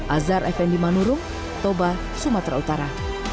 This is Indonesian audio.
azhar effendi manurung toba sumatera utara